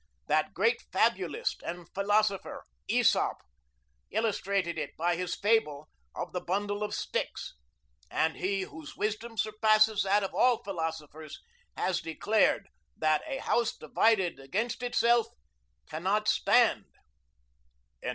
That great fabulist and philosopher, Aesop, illustrated it by his fable of the bundle of sticks; and He whose wisdom surpasses that of all philosophers has declared that 'a house divided against itself cannot stand.'"